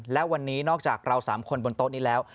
และวันนี้นอกจากเรา๓คนบนโต๊ะนี้แล้ว